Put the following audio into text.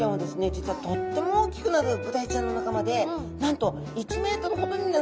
実はとっても大きくなるブダイちゃんの仲間でなんと１ｍほどになることもあるんですね。